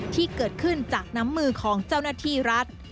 ที่เกิดขึ้นจากน้ำมือของเจ้าหน้าที่รัฐ